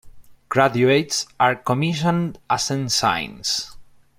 Graduates are commissioned as ensigns.